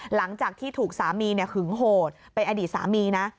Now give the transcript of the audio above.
หลังจากที่ถูกสามีหึงโหดเป็นอดีตสามีนะ